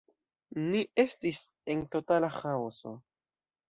Ni estis en totala ĥaoso.